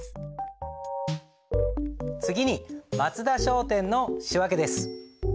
次に松田商店の仕訳です。